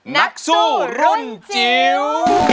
นักสู้รุ่นจิ๋ว